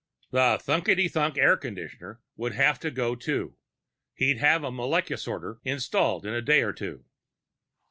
The thunkety thunk air conditioner would have to go too; he'd have a molecusorter installed in a day or two.